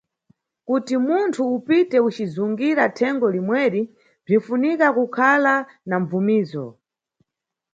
Kuti munthu upite ucizungira thengo limweri, bzinʼfunika kukhala na mʼbvumizo.